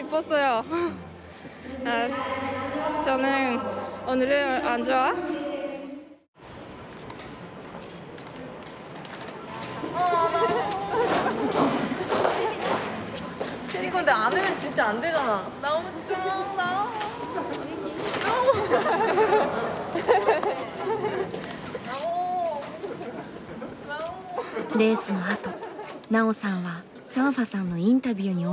レースのあと奈緒さんはサンファさんのインタビューに応じました。